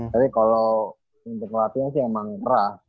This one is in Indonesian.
tapi kalo untuk latihnya sih emang keras